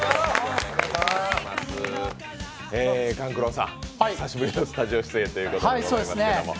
勘九郎さん、久しぶりのスタジオ出演ということでございますけれども。